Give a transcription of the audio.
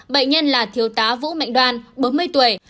bệnh nhân là thiếu tá vũ mạnh đoan bốn mươi tuổi